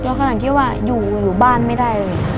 มันนาเราขนาดที่ว่าอยู่อยู่บ้านไม่ได้เลยค่ะ